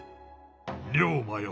龍馬よ